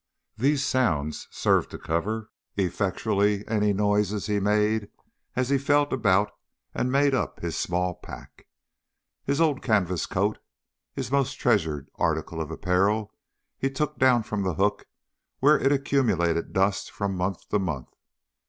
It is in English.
These sounds served to cover effectually any noises he made as he felt about and made up his small pack. His old canvas coat, his most treasured article of apparel, he took down from the hook where it accumulated dust from month to month.